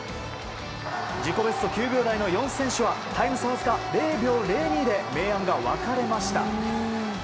自己ベスト９秒台の４選手はタイム差わずか０秒０２で明暗が分かれました。